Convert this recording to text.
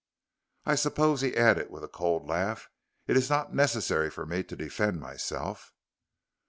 I suppose," he added with a cold laugh, "it is not necessary for me to defend myself."